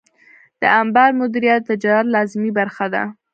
د انبار مدیریت د تجارت لازمي برخه ده.